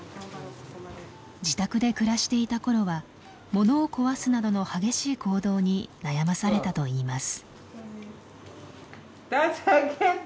自宅で暮らしていた頃は物を壊すなどの激しい行動に悩まされたといいます。